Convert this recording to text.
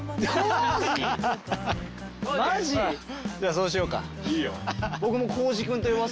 そうしようか。